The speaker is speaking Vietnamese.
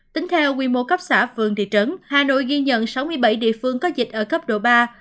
tính theo quy mô cấp xã phường thị trấn hà nội ghi nhận sáu mươi bảy địa phương có dịch ở cấp độ ba